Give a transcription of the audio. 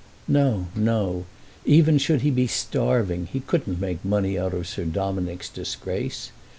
No, no—even should he be starving he couldn't make money out of Sir Dominick's disgrace.